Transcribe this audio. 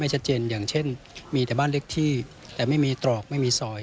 ชัดเจนอย่างเช่นมีแต่บ้านเล็กที่แต่ไม่มีตรอกไม่มีซอย